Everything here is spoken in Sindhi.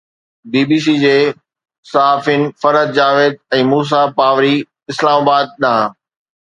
بي بي سي جي صحافين فرحت جاويد ۽ موسيٰ ياوري، اسلام آباد ڏانهن